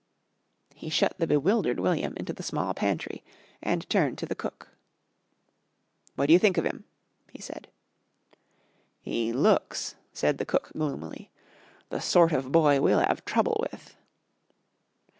He shut the bewildered William into the small pantry and turned to the cook. "What do you think of 'im?" he said. "'E looks," said the cook gloomily, "the sort of boy we'll 'ave trouble with."